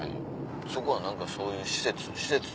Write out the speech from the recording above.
そこは何かそういう施設なの？